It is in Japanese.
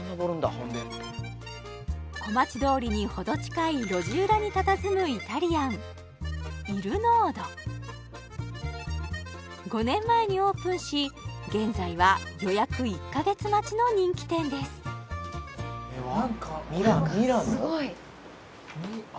ほんで小町通りにほど近い路地裏にたたずむイタリアンＩＬＮＯＤＯ５年前にオープンし現在は予約１か月待ちの人気店ですなんかすごいミラノ？